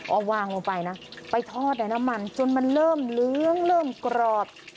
เอาวางลงไปนะไปทอดในน้ำมันจนมันเริ่มเหลืองเริ่มกรอบ